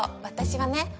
私はね